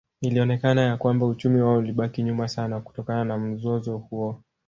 Ilionekana ya kwamba uchumi wao ulibaki nyuma sana kutokana na mzozo huo